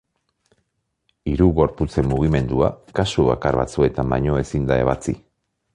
Hiru gorputzen mugimendua kasu bakar batzuetan baino ezin da ebatzi.